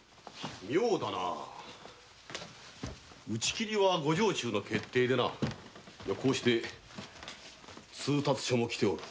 妙だな打ち切りは御城中の決定でなこうして通達書も来ておる。